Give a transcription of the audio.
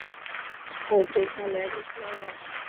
او پيسا لي تو سلائي را.